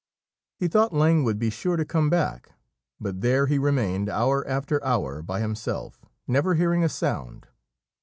He thought Lang would be sure to come back, but there he remained hour after hour by himself, never hearing a sound.